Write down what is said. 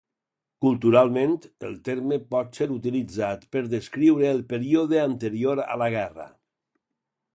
Culturalment, el terme pot ser utilitzat per descriure el període anterior a la guerra.